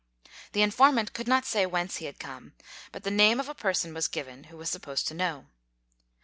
The informant could not say whence he had come, but the name of a person was given who was supposed to know.